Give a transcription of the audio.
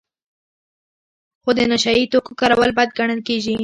خو د نشه یي توکو کارول بد ګڼل کیږي.